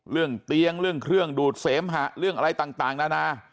เรื่องเตียงเรื่องเครื่องดูดเสมหะเรื่องอะไรต่างนานา